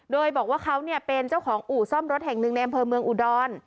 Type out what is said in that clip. โดยบอกว่าเขาเป็นเจ้าของอู่ซ่อมรถแห่งหนึ่งในอำเภอเมืองอุดร